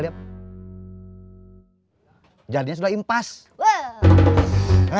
belum lagi sekitaroneya sekitar dapat ya langsung